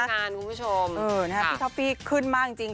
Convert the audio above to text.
ด้วยงานคุณผู้ชมค่ะสิ่งที่สุดนะครับพี่ท็อปฟี่ขึ้นมาจริง